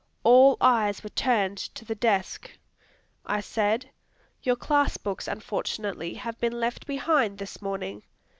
All eyes were turned to the desk. I said: "Your class books unfortunately have been left behind this morning.